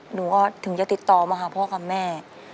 หนูก็ถึงจะติดต่อมาหาพ่อกับแม่